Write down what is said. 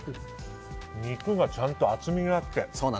肉がちゃんと厚みがあって。